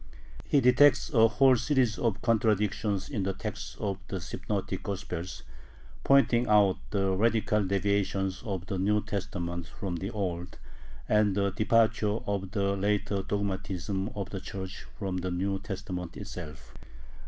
He detects a whole series of contradictions in the texts of the Synoptic Gospels, pointing out the radical deviations of the New Testament from the Old and the departure of the later dogmatism of the Church from the New Testament itself.